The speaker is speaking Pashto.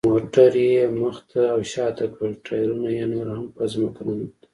موټر یې مخ ته او شاته کړ، ټایرونه یې نور هم په ځمکه ننوتل.